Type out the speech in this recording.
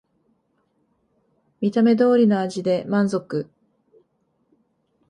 見た目通りの味で満足